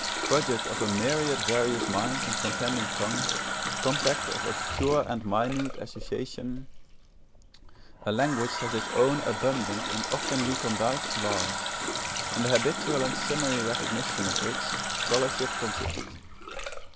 Product of a myriad various minds and contending tongues, compact of obscure and minute association, a language has its own abundant and often recondite laws, in the habitual and summary recognition of which scholarship consists.